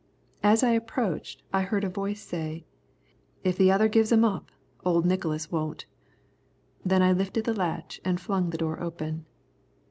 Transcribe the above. As I approached, I heard a voice say, "If the other gives 'em up, old Nicholas won't." Then I lifted the latch and flung the door open.